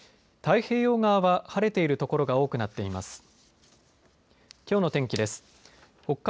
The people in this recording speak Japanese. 太平洋側は晴れている所が多くなっています。